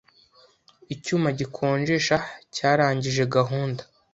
Icyuma gikonjesha cyarangije gahunda.